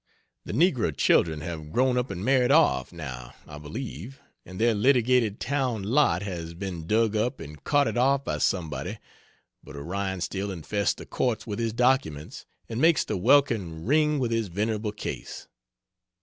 The negro children have grown up and married off, now, I believe, and their litigated town lot has been dug up and carted off by somebody but Orion still infests the courts with his documents and makes the welkin ring with his venerable case.